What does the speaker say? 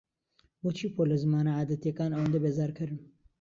بۆچی پۆلە زمانە عادەتییەکان ئەوەندە بێزارکەرن؟